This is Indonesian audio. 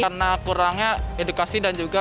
karena kurangnya edukasi dan juga